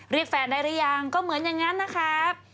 เรียกแฟนได้หรือยังก็เหมือนอย่างนั้นนะครับ